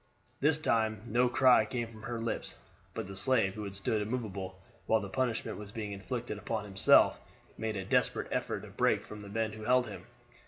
This time no cry came from her lips, but the slave, who had stood immovable while the punishment was being inflicted upon himself, made a desperate effort to break from the men who held him.